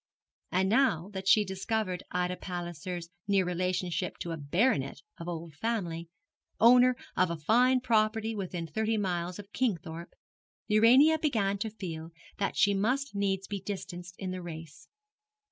And now that she discovered Ida Palliser's near relationship to a baronet of old family, owner of a fine property within thirty miles of Kingthorpe, Urania began to feel that she must needs be distanced in the race.